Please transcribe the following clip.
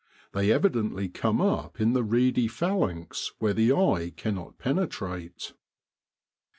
They evi dently come up in the reedy phalanx where the eye cannot penetrate.